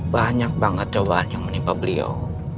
banyak banget cobaan yang menimpa beliau